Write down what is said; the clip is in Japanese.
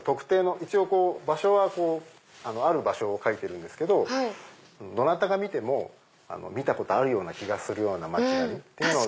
一応場所はある場所を描いてるんですけどどなたが見ても見たことある気がするような街並みっていうのを。